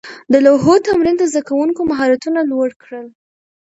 د لوحو تمرین د زده کوونکو مهارتونه لوړ کړل.